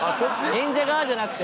演者側じゃなくて？